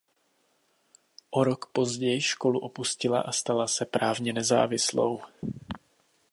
O rok později školu opustila a stala se právně nezávislou.